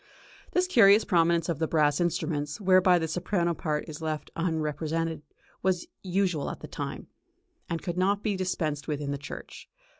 This curious prominence of the brass instruments, whereby the soprano part is left unrepresented, was usual at that time, and could not be dispensed with in the church.